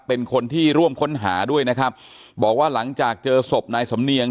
เป็นคนที่ร่วมค้นหาด้วยนะครับบอกว่าหลังจากเจอศพนายสำเนียง